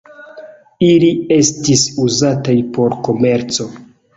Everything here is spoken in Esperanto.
Ili estis uzataj por komerco.